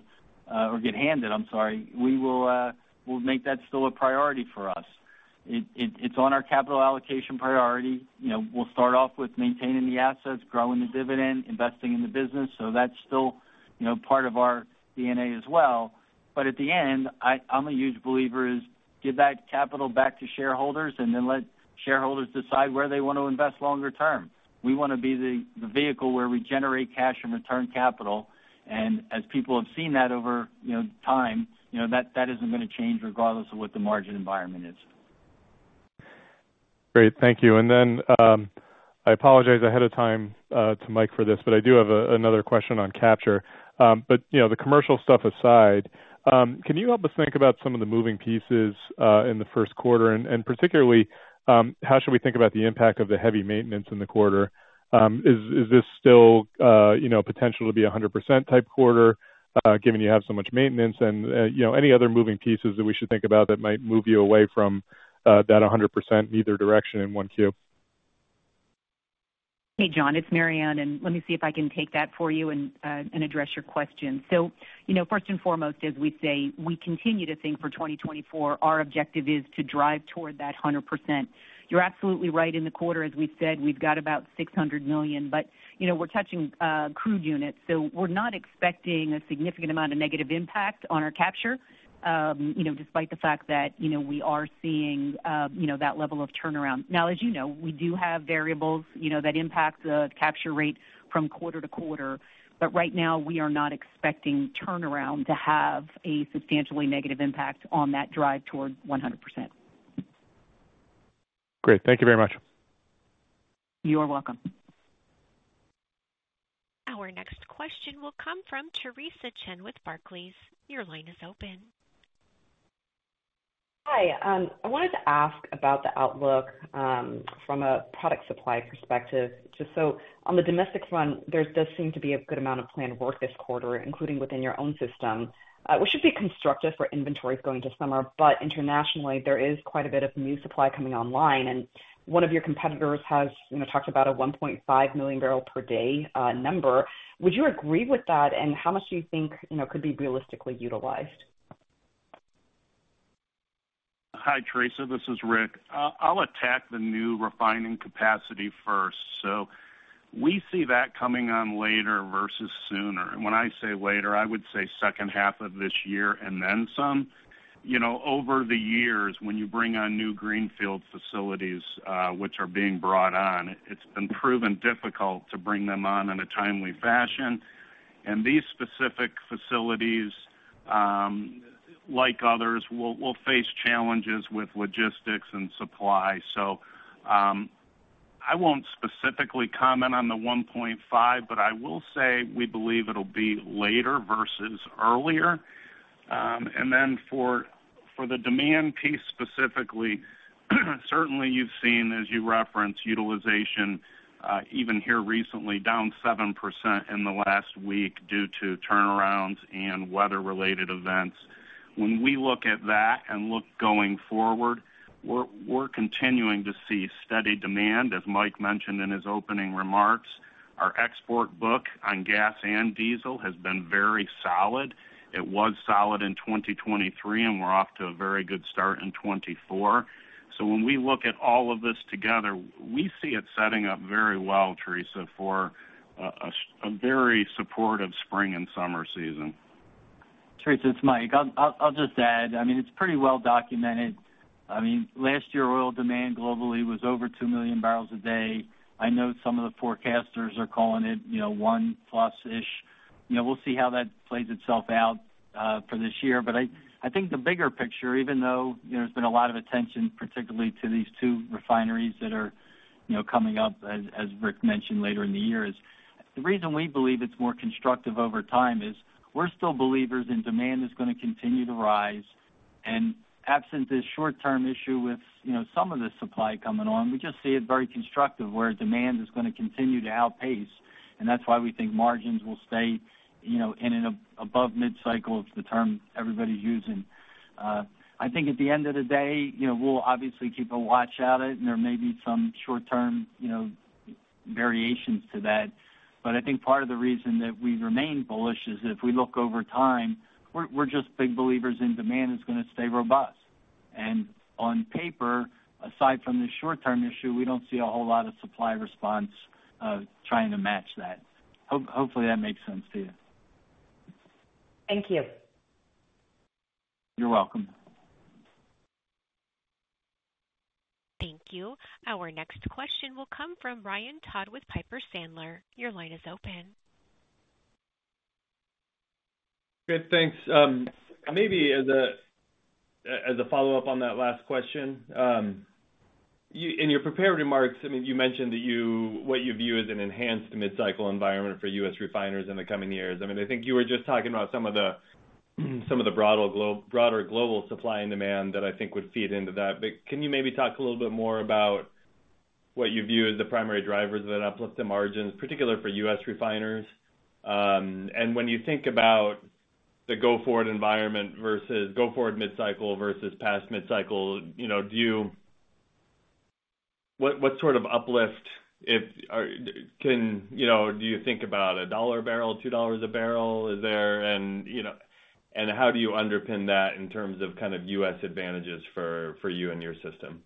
or get handed, I'm sorry, we will, we'll make that still a priority for us. It, it, it's on our capital allocation priority. You know, we'll start off with maintaining the assets, growing the dividend, investing in the business, so that's still, you know, part of our DNA as well. I'm a huge believer in giving that capital back to shareholders, and then let shareholders decide where they want to invest longer term. We wanna be the vehicle where we generate cash and return capital, and as people have seen that over, you know, time, you know, that isn't gonna change regardless of what the margin environment is. Great. Thank you. And then, I apologize ahead of time to Mike for this, but I do have another question on capture. But, you know, the commercial stuff aside, can you help us think about some of the moving pieces in the first quarter, and particularly, how should we think about the impact of the heavy maintenance in the quarter? Is this still, you know, potential to be a 100% type quarter, given you have so much maintenance and, you know, any other moving pieces that we should think about that might move you away from that a 100% in either direction in 1Q? Hey, John, it's Maryann, and let me see if I can take that for you and address your question. So you know, first and foremost, as we say, we continue to think for 2024, our objective is to drive toward that 100%. You're absolutely right. In the quarter, as we've said, we've got about $600 million, but you know, we're touching crude units, so we're not expecting a significant amount of negative impact on our capture you know, despite the fact that you know, we are seeing you know, that level of turnaround. Now, as you know, we do have variables you know, that impact the capture rate from quarter to quarter, but right now, we are not expecting turnaround to have a substantially negative impact on that drive toward 100%. Great. Thank you very much. You are welcome. Our next question will come from Theresa Chen with Barclays. Your line is open. Hi. I wanted to ask about the outlook from a product supply perspective. Just so on the domestic front, there does seem to be a good amount of planned work this quarter, including within your own system, which should be constructive for inventories going to summer. But internationally, there is quite a bit of new supply coming online, and one of your competitors has, you know, talked about a 1.5 million barrel per day number. Would you agree with that? And how much do you think, you know, could be realistically utilized? Hi, Theresa. This is Rick. I'll attack the new refining capacity first. So we see that coming on later versus sooner. And when I say later, I would say second half of this year and then some. You know, over the years, when you bring on new greenfield facilities, which are being brought on, it's been proven difficult to bring them on in a timely fashion, and these specific facilities, like others, will face challenges with logistics and supply. So, I won't specifically comment on the 1.5, but I will say we believe it'll be later versus earlier. And then for the demand piece specifically, certainly you've seen, as you referenced, utilization, even here recently, down 7% in the last week due to turnarounds and weather-related events. When we look at that and look going forward, we're continuing to see steady demand, as Mike mentioned in his opening remarks. Our export book on gas and diesel has been very solid. It was solid in 2023, and we're off to a very good start in 2024. So when we look at all of this together, we see it setting up very well, Theresa, for a very supportive spring and summer season. Theresa, it's Mike. I'll just add, I mean, it's pretty well documented. I mean, last year, oil demand globally was over 2 million barrels a day. I know some of the forecasters are calling it, you know, 1+-ish.... You know, we'll see how that plays itself out for this year. But I think the bigger picture, even though, you know, there's been a lot of attention, particularly to these two refineries that are, you know, coming up, as Rick mentioned, later in the year, is the reason we believe it's more constructive over time is we're still believers in demand is gonna continue to rise. Absent this short-term issue with, you know, some of the supply coming on, we just see it very constructive where demand is gonna continue to outpace, and that's why we think margins will stay, you know, in an above mid-cycle, is the term everybody's using. I think at the end of the day, you know, we'll obviously keep a watch at it, and there may be some short-term, you know, variations to that. But I think part of the reason that we remain bullish is if we look over time, we're just big believers in demand is gonna stay robust. And on paper, aside from the short-term issue, we don't see a whole lot of supply response trying to match that. Hopefully, that makes sense to you. Thank you. You're welcome. Thank you. Our next question will come from Ryan Todd with Piper Sandler. Your line is open. Good. Thanks. Maybe as a follow-up on that last question, in your prepared remarks, I mean, you mentioned that you-- what you view as an enhanced mid-cycle environment for U.S. refiners in the coming years. I mean, I think you were just talking about some of the broader global supply and demand that I think would feed into that. But can you maybe talk a little bit more about what you view as the primary drivers that uplift the margins, particularly for U.S. refiners? And when you think about the go-forward environment versus go-forward mid-cycle versus past mid-cycle, you know, do you-- what, what sort of uplift, if can... You know, do you think about a dollar a barrel, two dollars a barrel is there? You know, how do you underpin that in terms of kind of U.S. advantages for you and your system?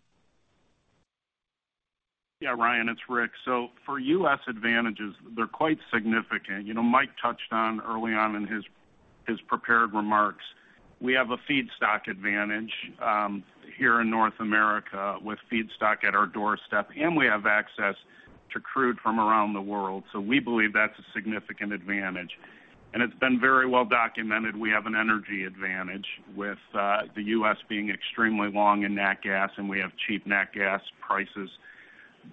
Yeah, Ryan, it's Rick. So for U.S. advantages, they're quite significant. You know, Mike touched on early on in his prepared remarks, we have a feedstock advantage here in North America with feedstock at our doorstep, and we have access to crude from around the world. So we believe that's a significant advantage. And it's been very well documented, we have an energy advantage with the U.S. being extremely long in nat gas, and we have cheap nat gas prices.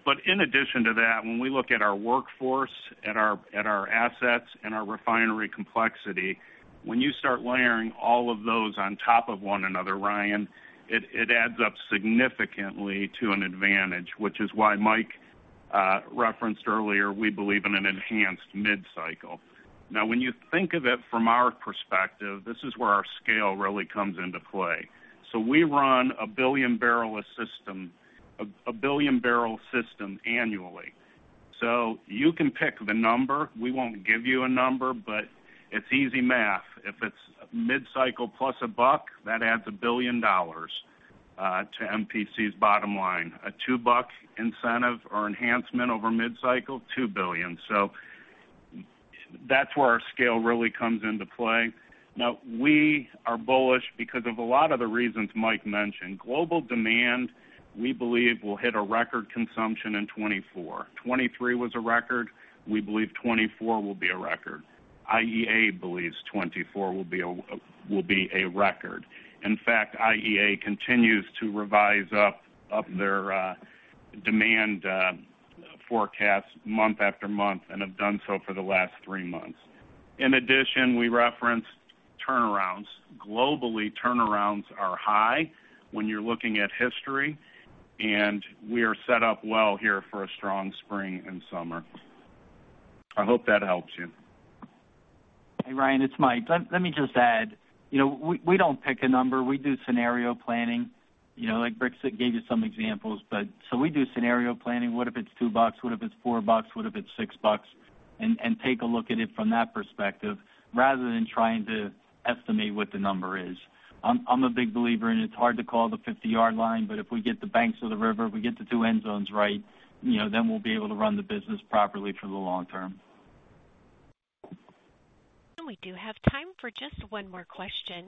But in addition to that, when we look at our workforce, at our assets and our refinery complexity, when you start layering all of those on top of one another, Ryan, it adds up significantly to an advantage, which is why Mike referenced earlier, we believe in an enhanced mid-cycle. Now, when you think of it from our perspective, this is where our scale really comes into play. So we run a billion-barrel system annually. So you can pick the number. We won't give you a number, but it's easy math. If it's mid-cycle plus $1, that adds $1 billion to MPC's bottom line. A $2 incentive or enhancement over mid-cycle, $2 billion. So that's where our scale really comes into play. Now, we are bullish because of a lot of the reasons Mike mentioned. Global demand, we believe, will hit a record consumption in 2024. 2023 was a record. We believe 2024 will be a record. IEA believes 2024 will be a, will be a record. In fact, IEA continues to revise up, up their demand forecast month after month and have done so for the last three months. In addition, we referenced turnarounds. Globally, turnarounds are high when you're looking at history, and we are set up well here for a strong spring and summer. I hope that helps you. Hey, Ryan, it's Mike. Let me just add, you know, we don't pick a number. We do scenario planning, you know, like Rick gave you some examples, but so we do scenario planning. What if it's $2? What if it's $4? What if it's $6? And take a look at it from that perspective, rather than trying to estimate what the number is. I'm a big believer, and it's hard to call the 50-yard line, but if we get the banks of the river, we get the two end zones right, you know, then we'll be able to run the business properly for the long term. And we do have time for just one more question.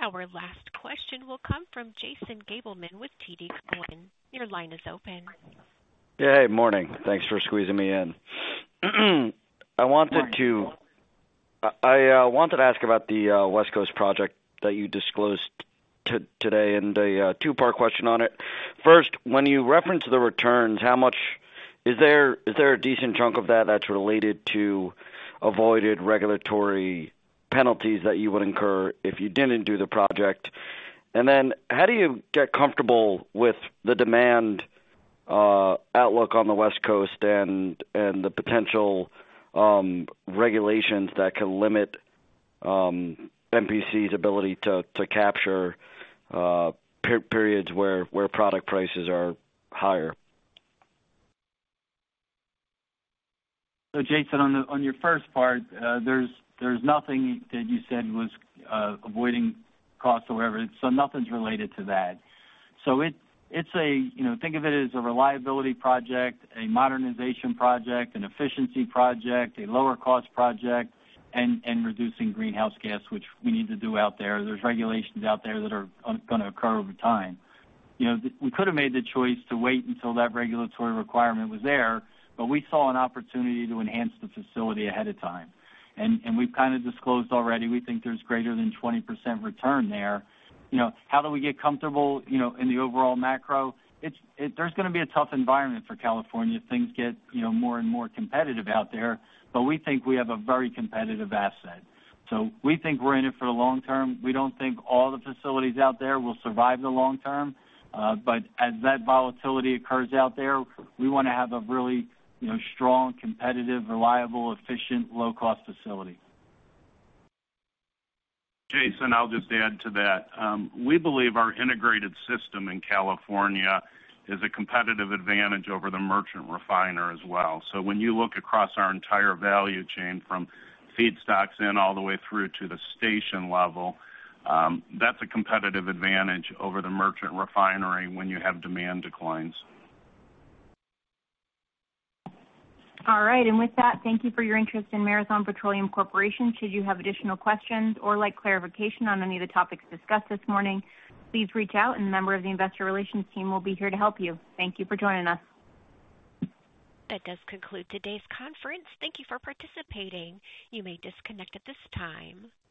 Our last question will come from Jason Gabelman with TD Cowen. Your line is open. Hey, morning. Thanks for squeezing me in. I wanted to- Morning. I wanted to ask about the West Coast project that you disclosed today, and a two-part question on it. First, when you reference the returns, is there a decent chunk of that that's related to avoided regulatory penalties that you would incur if you didn't do the project? And then how do you get comfortable with the demand outlook on the West Coast and the potential regulations that can limit MPC's ability to capture periods where product prices are higher? So, Jason, on your first part, there's nothing that you said was avoiding costs or whatever, so nothing's related to that. So it, it's a, you know, think of it as a reliability project, a modernization project, an efficiency project, a lower cost project, and reducing greenhouse gas, which we need to do out there. There's regulations out there that are gonna occur over time. You know, we could have made the choice to wait until that regulatory requirement was there, but we saw an opportunity to enhance the facility ahead of time. And we've kind of disclosed already, we think there's greater than 20% return there. You know, how do we get comfortable, you know, in the overall macro? It's, there's gonna be a tough environment for California. Things get, you know, more and more competitive out there, but we think we have a very competitive asset. So we think we're in it for the long term. We don't think all the facilities out there will survive the long term, but as that volatility occurs out there, we wanna have a really, you know, strong, competitive, reliable, efficient, low-cost facility. Jason, I'll just add to that. We believe our integrated system in California is a competitive advantage over the merchant refiner as well. So when you look across our entire value chain from feedstocks in all the way through to the station level, that's a competitive advantage over the merchant refinery when you have demand declines. All right. With that, thank you for your interest in Marathon Petroleum Corporation. Should you have additional questions or like clarification on any of the topics discussed this morning, please reach out, and a member of the investor relations team will be here to help you. Thank you for joining us. That does conclude today's conference. Thank you for participating. You may disconnect at this time.